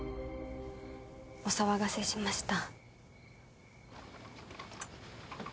お騒がせしました。